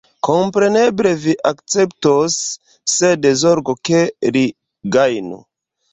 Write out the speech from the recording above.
Kompreneble vi akceptos, sed zorgu, ke li gajnu.